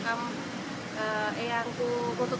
setiap orang menjelang bulan puasa itu